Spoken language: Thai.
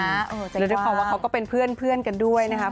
แล้วด้วยความว่าเขาก็เป็นเพื่อนกันด้วยนะครับ